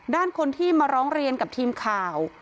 คนที่มาร้องเรียนกับทีมข่าว